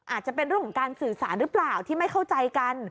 อาจจะเป็นเรื่องของการสื่อสารหรือเปล่าที่ไม่เข้าใจกัน